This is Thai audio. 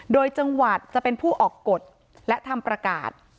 โดยจังหวัดจะเป็นผู้ออกกฎและทำประกาศ